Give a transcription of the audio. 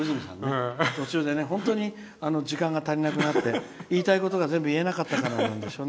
途中で本当に時間が足りなくなって言いたいことが全部言えなかったからなんでしょうね。